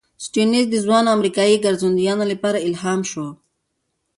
سټيونز د ځوانو امریکايي ګرځندویانو لپاره الهام شو.